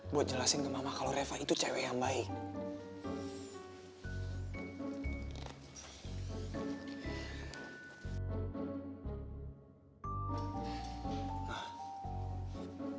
buat jelasin ke mama kalau reva itu cewek yang baik